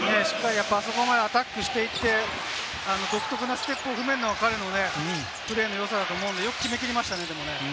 あそこまでアタックしていって、独特なステップを踏めるのが彼のプレーの良さだと思うので、よく決めきりましたね。